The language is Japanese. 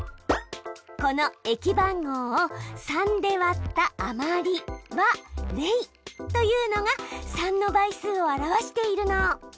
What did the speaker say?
この「駅番号を３で割った余り＝０」というのが３の倍数を表しているの！